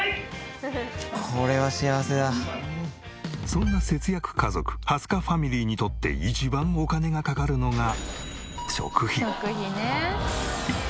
そんな節約家族蓮香ファミリーにとって一番お金がかかるのが食費。